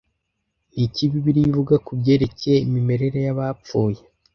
Ni iki Bibiliya ivuga ku byerekeye imimerere y’abapfuye